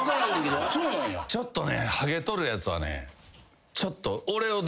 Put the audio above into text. ちょっとね。